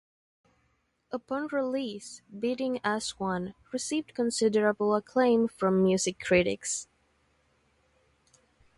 Upon release, "Beating as One" received considerable acclaim from music critics.